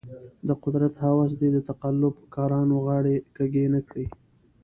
د قدرت هوس دې د تقلب کارانو غاړې کږې نه کړي.